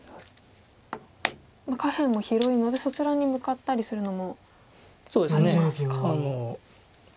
下辺も広いのでそちらに向かったりするのもありますか。